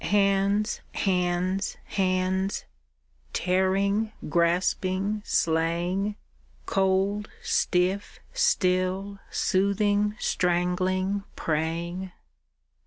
Hands, hands, hands, tearing, grasping, slaying. Cold, stiff, still, soothing, strangling, praying.